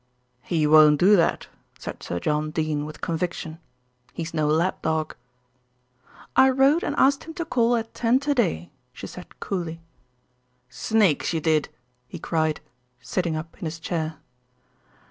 "He won't do that," said Sir John Dene with conviction. "He's no lap dog." "I wrote and asked him to call at ten to day," she said coolly. "Snakes, you did!" he cried, sitting up in his chair.